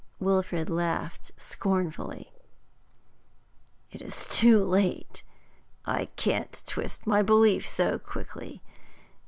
Wilfrid laughed scornfully. 'It is too late; I can't twist my belief so quickly.